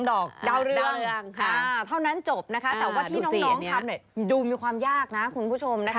ดอกดาวเรืองเท่านั้นจบนะคะแต่ว่าที่น้องทำเนี่ยดูมีความยากนะคุณผู้ชมนะคะ